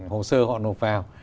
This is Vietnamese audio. hồ sơ họ nộp vào